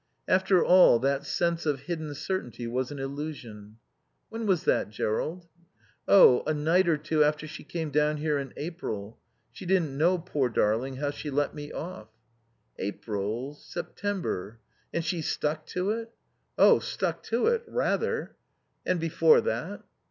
After all, that sense of hidden certainty was an illusion. "When was that, Jerrold?" "Oh, a night or two after she came down here in April. She didn't know, poor darling, how she let me off." "April September. And she's stuck to it?" "Oh stuck to it. Rather." "And before that?"